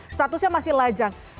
statusnya masih lajang